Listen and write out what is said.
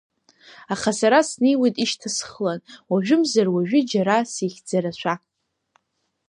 Аха сара снеиуеит ишьҭа схылан, уажәымзар-уажә џьара сихьӡарашәа.